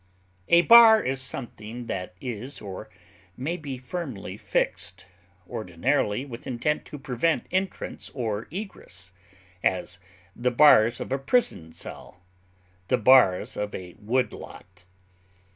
A bar is something that is or may be firmly fixed, ordinarily with intent to prevent entrance or egress; as, the bars of a prison cell; the bars of a wood lot.